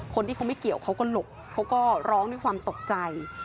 คนที่เขาไม่เกี่ยวเขาก็หลบเขาก็ร้องด้วยความตกใจ